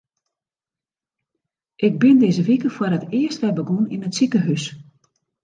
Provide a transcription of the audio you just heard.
Ik bin dizze wike foar it earst wer begûn yn it sikehús.